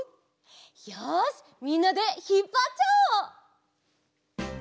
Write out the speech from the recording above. よしみんなでひっぱっちゃおう！